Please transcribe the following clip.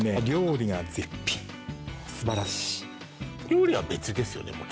料理が絶品素晴らしい料理は別ですよね